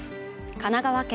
神奈川県